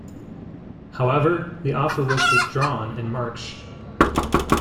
However, the offer was withdrawn in March.